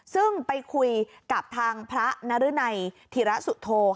ซึ่งไปคุยกับทางพระนรึนัยธิระสุโธ